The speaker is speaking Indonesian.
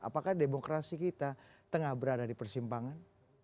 apakah demokrasi kita tengah berada di persimpangan